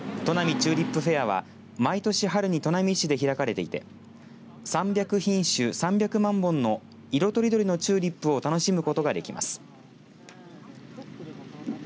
チューリップフェアは毎年春に砺波市で開かれていて３００品種３００万本の色とりどりのチューリップを楽しむことができます。